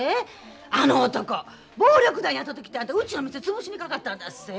あの男暴力団雇って来てはってうちの店潰しにかかったんだっせ。